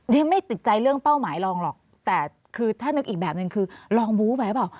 ไม่ติดใจเรื่องเป้าหมายลองหรอกแต่คือถ้านึกอีกแบบนึงคือลองบู้ไปหรือเปล่า